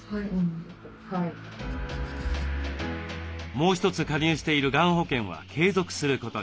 もう一つ加入しているがん保険は継続することに。